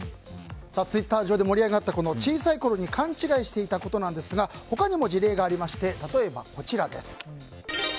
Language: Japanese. ツイッター上で盛り上がった小さいころに勘違いしていたことですが他にも事例がありまして例えばこちらです。